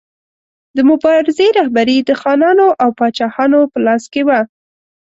د مبارزې رهبري د خانانو او پاچاهانو په لاس کې وه.